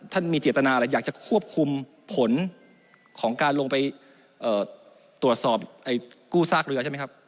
มีเจตนาอะไรอยากจะควบคุมผลของการลงไปตรวจสอบกู้ซากเรือใช่ไหมครับ